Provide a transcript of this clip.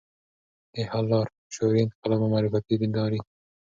د حل لار: شعوري انقلاب او معرفتي دینداري